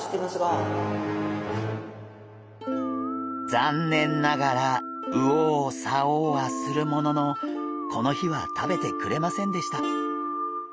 ざんねんながら右往左往はするもののこの日は食べてくれませんでした。